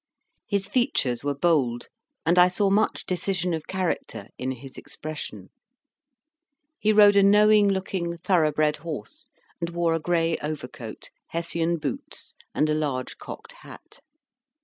His features were bold, and I saw much decision of character in his expression. He rode a knowing looking, thorough bred horse, and wore a gray overcoat, Hessian boots, and a large cocked hat.